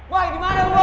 boy dimana lu